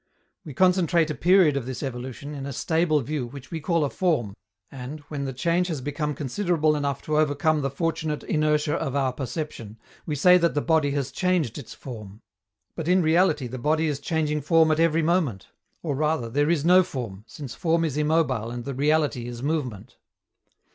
We concentrate a period of this evolution in a stable view which we call a form, and, when the change has become considerable enough to overcome the fortunate inertia of our perception, we say that the body has changed its form. But in reality the body is changing form at every moment; or rather, there is no form, since form is immobile and the reality is movement.